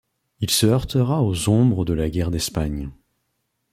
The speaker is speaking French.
Il se heurtera aux ombres de la guerre d’Espagne.